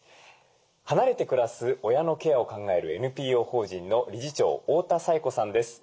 離れて暮らす親のケアを考えるＮＰＯ法人の理事長太田差惠子さんです。